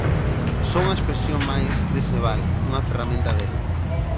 Son unha expresión máis dese val, unha ferramenta del.